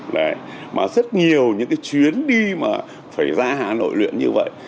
đấy mà rất nhiều những cái chuyến đi mà phải ra hà nội luyện như vậy